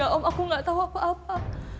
gak om aku gak tau apa apa